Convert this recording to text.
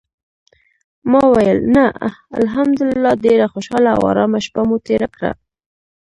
ما ویل: "نه، الحمدلله ډېره خوشاله او آرامه شپه مو تېره کړه".